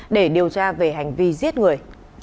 để điều tra về hành vi giết người